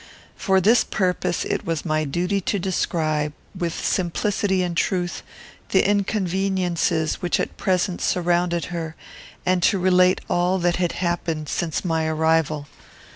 For this purpose it was my duty to describe, with simplicity and truth, the inconveniences which at present surrounded her, and to relate all that had happened since my arrival.